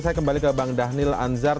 saya kembali ke bang dhanil anzar